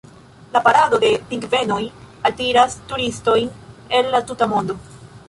La parado de pingvenoj altiras turistojn el la tuta mondo.